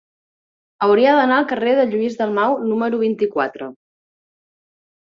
Hauria d'anar al carrer de Lluís Dalmau número vint-i-quatre.